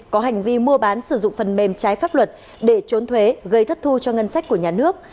có hành vi mua bán sử dụng phần mềm trái pháp luật để trốn thuế gây thất thu cho ngân sách của nhà nước